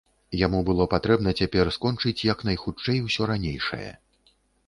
Яму было патрэбна цяпер скончыць як найхутчэй усё ранейшае.